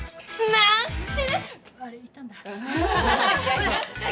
何いたんだよ？